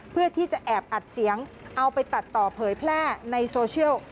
เพื่อที่จะแอบอัดเสียงเอาไปตัดต่อเผยแพร่ในโซเชียล